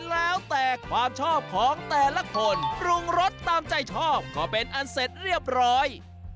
แล้วแต่ความชอบของแต่ละคนปรุงรสตามใจชอบก็เป็นอันเสร็จเรียบร้อย